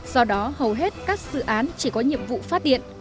do đó hầu hết các dự án chỉ có nhiệm vụ phát điện